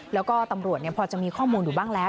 แล้วก็ตำรวจพอจะมีข้อมูลอยู่บ้างแล้ว